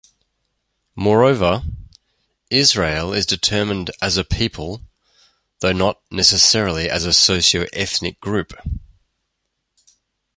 Moreover, Israel is determined as a people, though not necessarily as a socioethnic group.